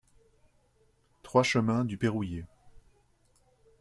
trois chemin du Payrouillé